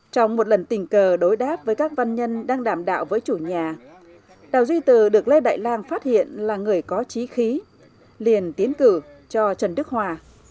trong một lần tình cờ đối đáp với các văn nhân đang đảm đạo với chủ nhà đào duy từ được lê đại lan phát hiện là người có trí khí liền tiến cử cho trần đức hòa